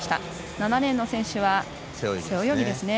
７レーンの選手は背泳ぎですね。